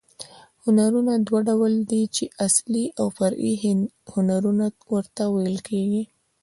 هنرونه دوه ډول دي، چي اصلي او فرعي هنرونه ورته ویل کېږي.